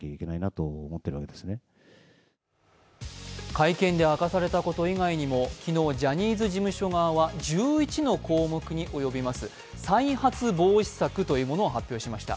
会見で明かされたこと以外も昨日、ジャニーズ事務所が発表したのは１１の項目に及びます再発防止策というものを発表しました。